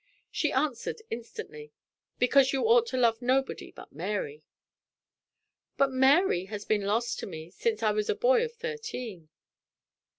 She answered instantly, "Because you ought to love nobody but Mary." "But Mary has been lost to me since I was a boy of thirteen."